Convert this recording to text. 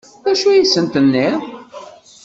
D acu i sen-tenniḍ?